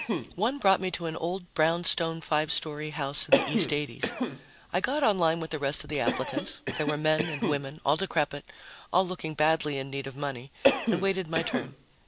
One brought me to an old brownstone five story house in the East 80s. I got on line with the rest of the applicants there were men and women, all decrepit, all looking badly in need of money and waited my turn.